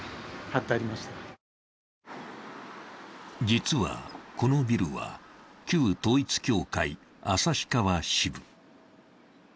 実は、このビルは旧統一教会旭川支部。